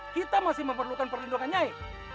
kita masih memerlukan perlindungan nyai